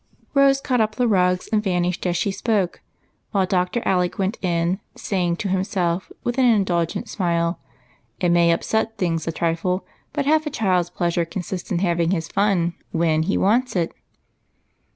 Rose caught up the rugs and vanished as she spoke, while Dr. Alec went in, saying to himself, with an indulgent smile, —" It may upset things a trifle, but half a child's pleasure consists in having their fun when they want it."